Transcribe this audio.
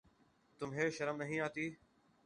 تمہیں شرم نہیں آتی؟